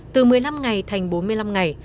từ một mươi năm ngày thành bốn mươi năm ngày